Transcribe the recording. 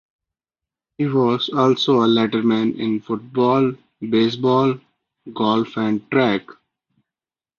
He was also a letterman in football, baseball, golf and track.